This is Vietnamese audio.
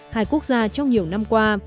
hai quốc gia trong nhiều năm qua